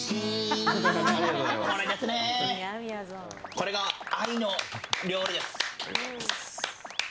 これが愛の料理です。